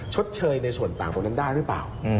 ชดเชยในส่วนต่างตรงนั้นได้หรือเปล่า